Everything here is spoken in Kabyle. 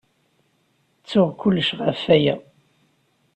Ttuɣ kullec ɣef waya.